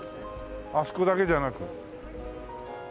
あそこだけじゃなく。